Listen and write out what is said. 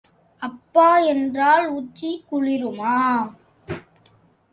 அப்பா என்றால் உச்சி குளிருமா?